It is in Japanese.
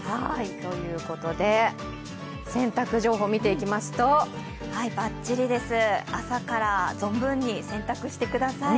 ということで洗濯情報を見ていきますとばっちりです朝から存分に洗濯してください。